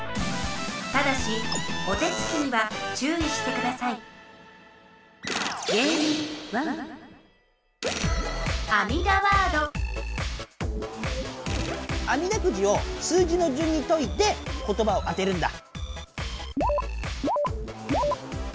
ただしお手つきにはちゅういしてくださいあみだくじを数字のじゅんにといて言ばを当てるんだ！